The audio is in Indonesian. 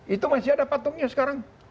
itu masih ada patungnya sekarang